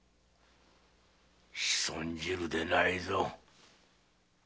仕損じるでないぞ。